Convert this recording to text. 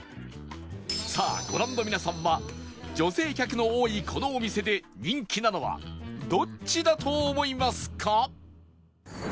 さあご覧の皆さんは女性客の多いこのお店で人気なのはどっちだと思いますか？